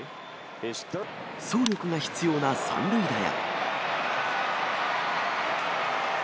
走力が必要な３塁打や。